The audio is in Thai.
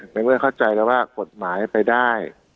ในเมื่อเข้าใจแล้วว่ากษมไหมาให้ไปได้